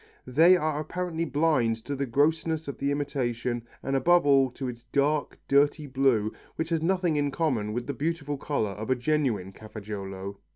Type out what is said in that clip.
They are apparently blind to the grossness of the imitation and above all to its dark, dirty blue which has nothing in common with the beautiful colour of a genuine Cafaggiolo.